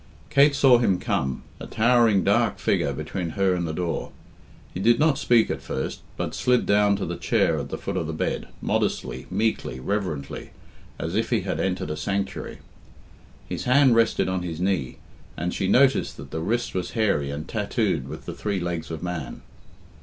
Kate saw him come, a towering dark figure between her and the door. He did not speak at first, but slid down to the chair at the foot of the bed, modestly, meekly, reverently, as if he had entered a sanctuary. His hand rested on his knee, and she noticed that the wrist was hairy and tattooed with the three legs of Man.